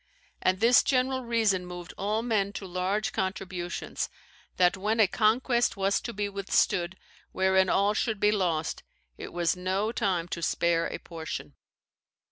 And this general reason moved all men to large contributions, that when a conquest was to be withstood wherein all should be lost, it was no time to spare a portion."